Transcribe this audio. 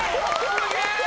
・すげえ！